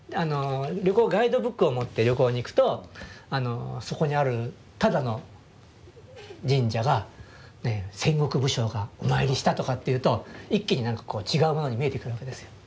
ガイドブックを持って旅行に行くとそこにあるただの神社が戦国武将がお参りしたとかっていうと一気に何かこう違うものに見えてくるわけですよ。